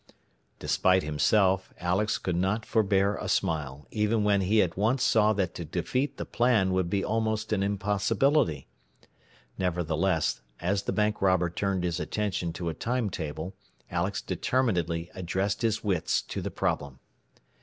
Despite himself, Alex could not forbear a smile, even while he at once saw that to defeat the plan would be almost an impossibility. Nevertheless, as the bank robber turned his attention to a time table, Alex determinedly addressed his wits to the problem.